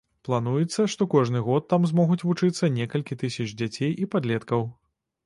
Плануецца, што кожны год там змогуць вучыцца некалькі тысяч дзяцей і падлеткаў.